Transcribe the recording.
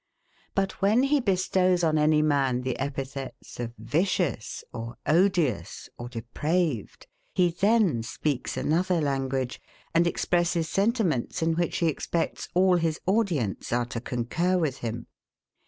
But when he bestows on any man the epithets of VICIOUS or ODIOUS or DEPRAVED, he then speaks another language, and expresses sentiments, in which he expects all his audience are to concur with him.